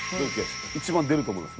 一番出ると思います